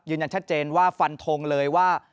ยืนยันชัดเจนว่าฟันทงเลยว่า